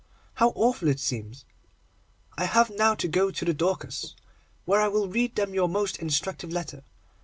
How awful it seems! I have now to go to the Dorcas, where I will read them your most instructive letter.